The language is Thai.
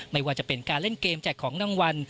ไม่ว่าจะเป็นการเล่นเกมแจกของรางวัล